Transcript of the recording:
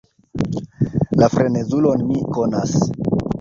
La frenezulon mi konas.